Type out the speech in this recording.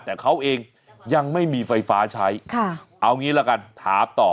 แต่เขาเองยังไม่มีไฟฟ้าใช้ค่ะเอางี้ละกันถามต่อ